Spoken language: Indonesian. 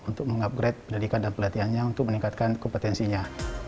untuk mengupgrade pendidikan dan pelatihannya untuk meningkatkan kompetensinya